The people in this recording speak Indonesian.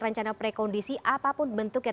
rancangan prekondisi apapun bentuknya